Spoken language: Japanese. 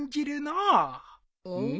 うん？